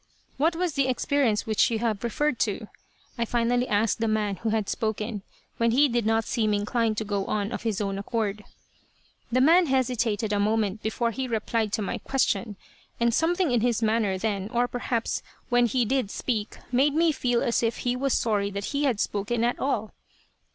"What was the experience which you have referred to?" I finally asked the man who had spoken, when he did not seem inclined to go on of his own accord. The man hesitated a moment before he replied to my question, and something in his manner then, or perhaps when he did speak, made me feel as if he was sorry that he had spoken at all.